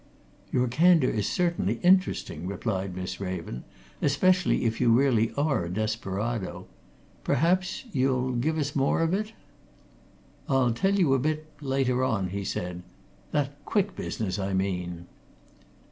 "Your candour is certainly interesting," replied Miss Raven. "Especially if you really are a desperado. Perhaps you'll give us more of it?" "I'll tell you a bit later on," he said. "That Quick business, I mean."